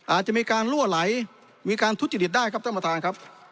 อาจจะมีการลั่วไหลมีการทุจริตได้ครับท่านประธานครับ